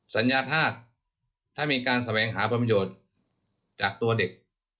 สัญญาธาตุถ้ามีการแสวงหาประโยชน์จากตัวเด็ก